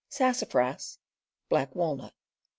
Sassafras, Black Walnut.